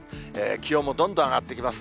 気温もどんどん上がっていきます。